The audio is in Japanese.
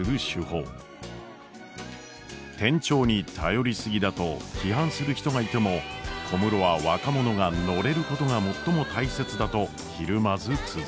転調に頼り過ぎだと批判する人がいても小室は若者がノレることが最も大切だとひるまず続けた。